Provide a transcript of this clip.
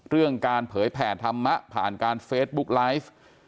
เรื่องการเผยแผ่ธรรมะผ่านการเฟซบุ๊กไลฟ์